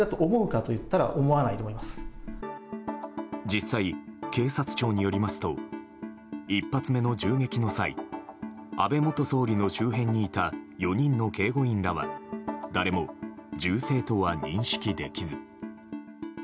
実際、警察庁によりますと１発目の銃撃の際安倍元総理の周辺にいた４人の警護員らは誰も銃声とは認識できず。